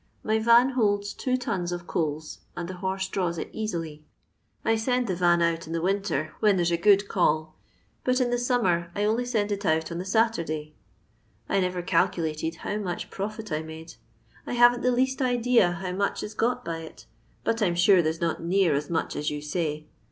My van holds two tons of coals, and the horse draws it easily. I sead the van out in the winter when there 's a good call, but in the summer I only send it out on the Saturday. I never calculated how much profit I made. I haven't the least idea how much is got by it, but I 'm sure there 's not near as much as you say.